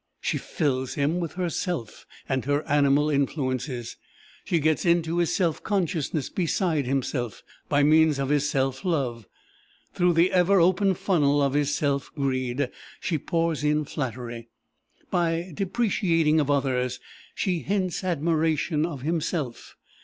She fills him with herself, and her animal influences. She gets into his self consciousness beside himself, by means of his self love. Through the ever open funnel of his self greed, she pours in flattery. By depreciation of others, she hints admiration of himself.